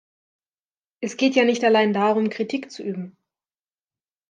Es geht ja nicht allein darum, Kritik zu üben.